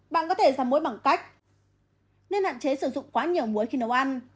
bạn có thể giảm muối bằng cách nên hạn chế sử dụng quá nhiều muối khi nấu ăn